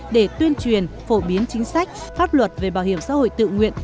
để tuyên truyền phổ biến chính sách pháp luật về bảo hiểm xã hội tự nguyện